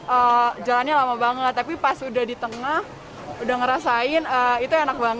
tapi pas udah di tengah udah ngerasain itu enak banget